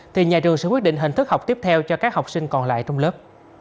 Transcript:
thì nhà trường sẽ quyết định hình thức học tiếp theo cho các học sinh còn lại trong lớp